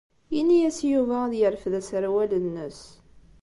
Ini-as i Yuba ad yerfed asawal-nnes.